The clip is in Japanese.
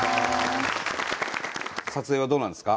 撮影はどうなんですか？